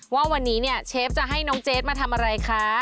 ว่าวันนี้เนี่ยเชฟจะให้น้องเจดมาทำอะไรคะ